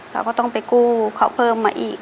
เราก็ต้องไปกู้เขาเพิ่มมาอีก